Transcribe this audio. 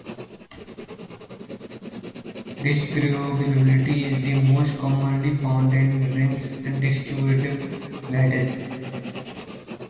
Distributivity is most commonly found in rings and distributive lattices.